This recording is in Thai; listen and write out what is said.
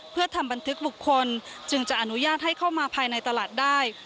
เพื่อทำบันทึกบุคคลจึงจะอนุญาตให้เข้ามาภายในตลาดได้